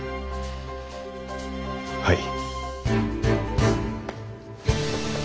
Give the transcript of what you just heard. はい。